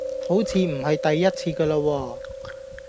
好似唔係第一次個囉喎